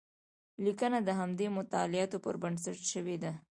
لیکنه د همدې مطالعاتو پر بنسټ شوې ده.